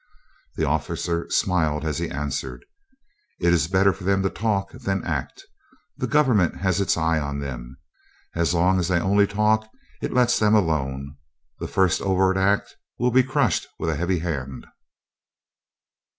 The officer smiled as he answered: "It is better for them to talk than act. The government has its eye on them. As long as they only talk it lets them alone. The first overt act will be crushed with a heavy hand."